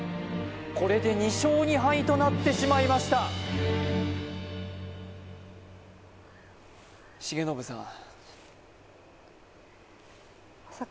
これで２勝２敗となってしまいました重信さん